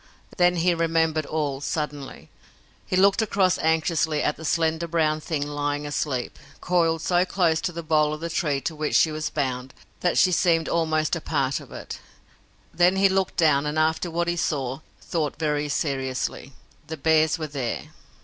Then he remembered all, suddenly. He looked across anxiously at a slender brown thing lying asleep, coiled so close to the bole of the tree to which she was bound that she seemed almost a part of it. Then he looked down, and, after what he saw, thought very seriously. The bears were there!